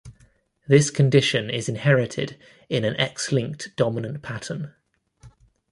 This condition is inherited in an X-linked dominant pattern.